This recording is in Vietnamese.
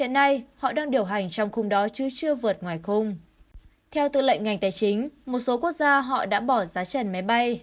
theo tư lệnh ngành tài chính một số quốc gia họ đã bỏ giá trần máy bay